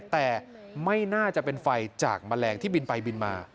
แต่ไม่น่าจะเป็นไฟจากแมลงที่บินไปบินมา